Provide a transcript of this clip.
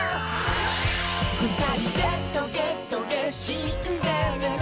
「ふたりでトゲトゲシンデレラ」